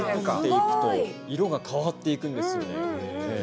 色が変わっていくんですよね。